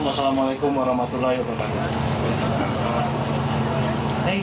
wassalamualaikum warahmatullahi wabarakatuh